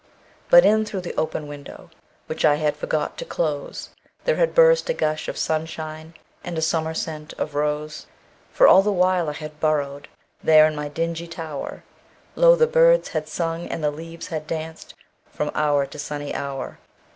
But in through the open window, Which I had forgot to close, There had burst a gush of sunshineAnd a summer scent of rose. For all the while I had burrowedThere in my dingy tower, Lo! the birds had sung and the leaves had dancedFrom hour to sunny hour.